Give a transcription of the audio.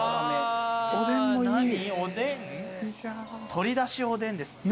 鶏だしおでんですって。